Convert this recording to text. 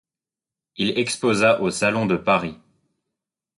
Il exposa au salon de Paris.